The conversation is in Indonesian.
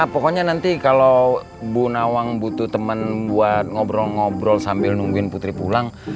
pokoknya nanti kalau bu nawang butuh teman buat ngobrol ngobrol sambil nungguin putri pulang